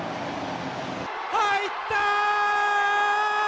入ったー！！